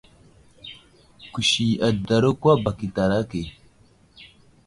Kusi adəɗaro kwa bak i talake.